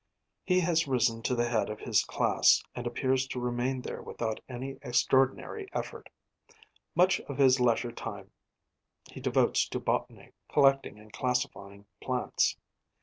He has risen to the head of his class, and appears to remain there without any extraordinary effort. Much of his leisure time he devotes to botany collecting and classifying plants.